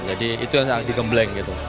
jadi itu yang sangat digembleng gitu